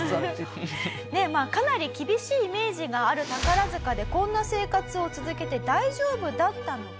かなり厳しいイメージがある宝塚でこんな生活を続けて大丈夫だったのか？